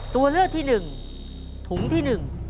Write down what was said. ตัวเลือกที่๑ถุงที่๑